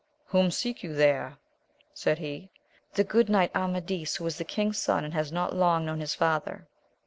Whom seek you there? said he. — The good knight Amadis, w|;io is the king's son, and has not long known his father.